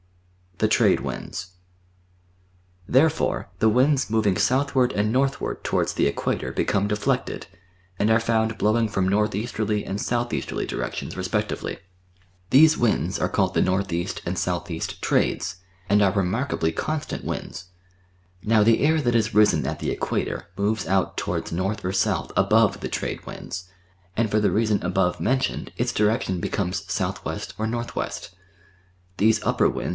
The Trade Winds Therefore the winds moving southward and northward to wards the Equator become deflected, and are found blowing from north easterly and south easterly directions respectively. These 778 The Outline of Science winds are called Hie N.lv :iiul S.K. "t Hides." :ind are remarkahly constant winds. \n\\ the air that has risen ill Ilie Kquator moves out towards north or south nlxirc Ilic trade winds, and for the rcMsnn ahove inentioned its direction becomes S.\\ T . or \.\V. These upper winds